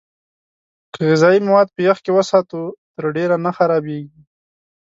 که غذايي مواد په يخ کې وساتو، تر ډېره نه خرابېږي.